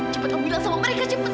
cepat om bila sama mereka cepat